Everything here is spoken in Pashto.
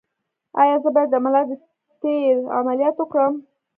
ایا زه باید د ملا د تیر عملیات وکړم؟